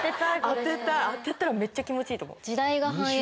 当てたい当てたらめっちゃ気持ちいいと思う。